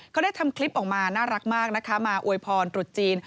เขาได้ทำคลิปออกมาน่ารักมากนะคะมาอวยพรตรุษจีน